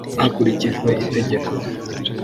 hakurikijwe itegeko